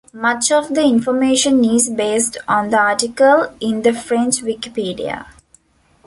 Much of the information is based on the article in the French Wikipedia.